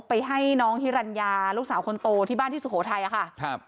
ไปให้น้องฮิรัญญาลูกสาวคนโตที่บ้านที่สุโขทัยอะค่ะครับ